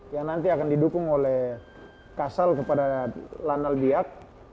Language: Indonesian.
yang nanti akan didukung oleh kasal kepada landal diak